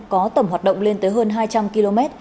có tầm hoạt động lên tới hơn hai trăm linh km